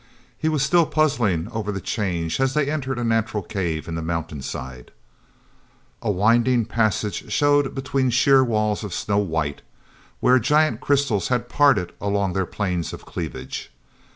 He was still puzzling over the change as they entered a natural cave in the mountainside. A winding passage showed between sheer walls of snow white, where giant crystals had parted along their planes of cleavage.